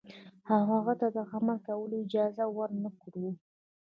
او هغه ته د عمل کولو اجازه ورنکړو.